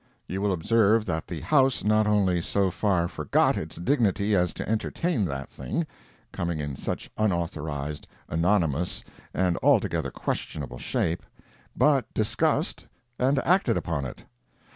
You will observe that the House not only so far forgot its dignity as to entertain that thing, coming in such unauthorized, anonymous, and altogether questionable shape, but discussed and acted upon it.